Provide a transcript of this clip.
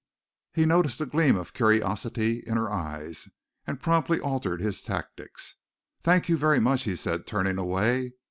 He noticed the gleam of curiosity in her eyes, and promptly altered his tactics. "Thank you very much," he said, turning away.